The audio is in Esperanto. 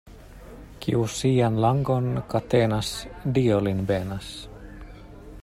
Kiu sian langon katenas, Dio lin benas.